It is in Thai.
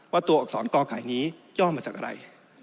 ตัวอักษรกอไขนี้ย่อมาจากอะไร